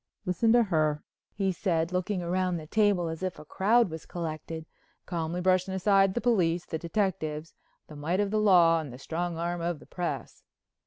"Listen to her," he said, looking round the table as if a crowd was collected, "calmly brushing aside the police, the detectives, the might of the law and the strong arm of the press."